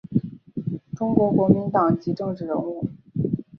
中国国民党籍政治人物。